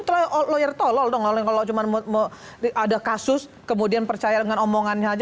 itu lawyer tololl dong kalau cuma ada kasus kemudian percaya dengan omongannya aja